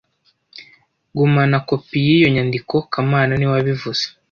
Gumana kopi yiyo nyandiko kamana niwe wabivuze